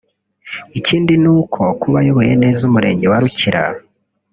Ikindi ni uko kuba ayoboye neza umurenge wa Rukira